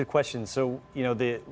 itu pertanyaan yang bagus